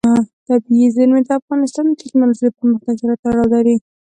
طبیعي زیرمې د افغانستان د تکنالوژۍ پرمختګ سره تړاو لري.